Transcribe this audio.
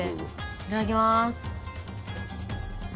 いただきます。